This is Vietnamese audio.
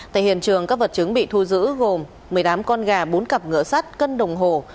thường các vật chứng bị thu giữ gồm một mươi tám con gà bốn cặp ngựa sắt cân đồng hồ